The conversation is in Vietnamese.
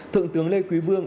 thượng tướng lê quý vương